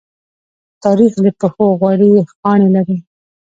تاریخ د پښو غوړې خاڼې لري.